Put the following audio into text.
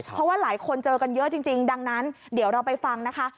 เพราะว่าหลายคนเจอกันเยอะจริงดังนั้นเดี๋ยวเราไปฟังนะคะ